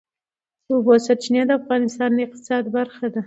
د اوبو سرچینې د افغانستان د اقتصاد برخه ده.